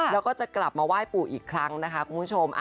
แล้วก็จะกลับมาไหว้ปู่อีกครั้งนะคะคุณผู้ชม